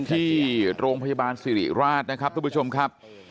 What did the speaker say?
ที่โรงพยาบาลสิริราชนะครับทุกผู้ชมครับ